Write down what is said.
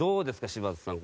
柴田さん